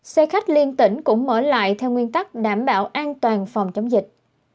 xe khách liên tỉnh cũng mở lại theo nguyên tắc đảm bảo an toàn phòng chống dịch